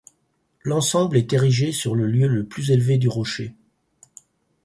L'ensemble est érigé sur le lieu le plus élevé du rocher.